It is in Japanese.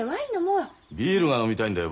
ビールが飲みたいんだよ